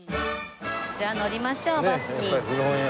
じゃあ乗りましょうバスに。